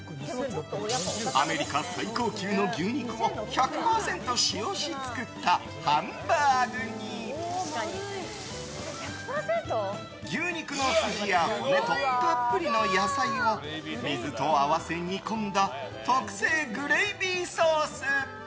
アメリカ最高級の牛肉を１００％使用し作ったハンバーグに牛肉の筋や骨とたっぷりの野菜を水と合わせ煮込んだ特製グレイビーソース。